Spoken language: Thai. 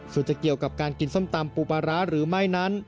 ส่วนจะเกี่ยวกับการกินส้มตำปูปลาร้าหรือไม่นั้น